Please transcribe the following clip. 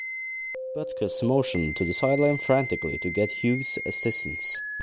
Butkus motioned to the sideline frantically to get Hughes assistance.